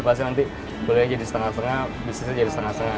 pasti nanti boleh jadi setengah setengah bisnisnya jadi setengah setengah